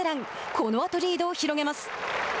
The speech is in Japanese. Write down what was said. このあとリードを広げます。